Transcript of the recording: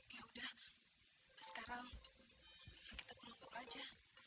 yaudah sekarang kita pulang dulu aja